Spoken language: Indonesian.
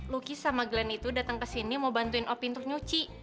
lucky sama glen itu datang ke sini mau bantuin opi untuk nyuci